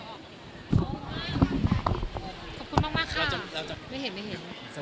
โอเคนะคะขอบคุณค่ะขอบคุณค่ะขอบคุณค่ะ